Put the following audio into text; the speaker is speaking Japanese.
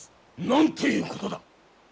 なんということだ！